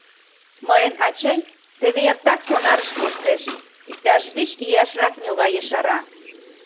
Мыйын ачый теве эртак сонарыш коштеш, — иктаж вич ияшрак ньога ешара.